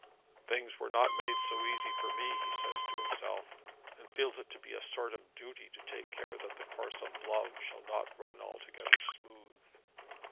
'Things were not made so easy for me,' he says to himself, and feels it to be a sort of duty to take care that the course of love shall not run altogether smooth.